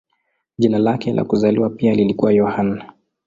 Jina lake la kuzaliwa pia lilikuwa Yohane.